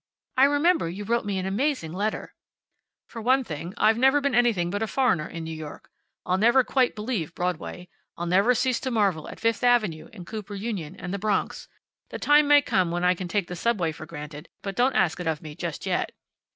I remember you wrote me an amazing letter." "For one thing, I'll never be anything but a foreigner in New York. I'll never quite believe Broadway. I'll never cease to marvel at Fifth avenue, and Cooper Union, and the Bronx. The time may come when I can take the subway for granted, but don't ask it of me just yet."